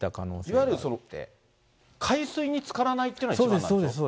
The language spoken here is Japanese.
いわゆる海水につからないっていうのが、一番なんでしょ？